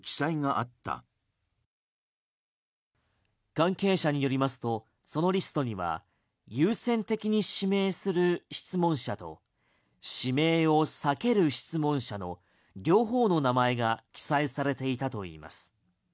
関係者によりますとそのリストには優先的に指名する質問者と指名を避ける質問者の両方の名前が記載されていたといいます。